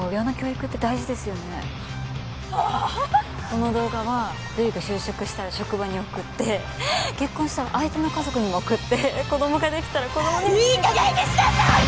この動画は瑠衣が就職したら職場に送って結婚したら相手の家族にも送って子供ができたら子供にも。いい加減にしなさい！